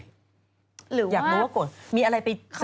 อยากรู้ว่าโกรธมีอะไรไป